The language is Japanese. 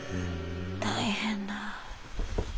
大変だ。